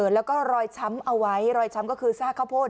แล้วก็รอยช้ำเอาไว้รอยช้ำก็คือซากข้าวโพด